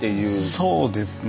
そうですね。